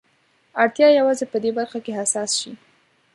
اړتيا يوازې په دې برخه کې حساس شي.